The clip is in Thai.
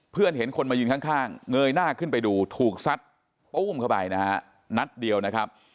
เพื่อนเห็นคนมายืนข้างเงยหน้าขึ้นไปดูถูกซัดตู้มเข้าไปนะฮะนัดเดียวนะครับ